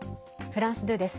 フランス２です。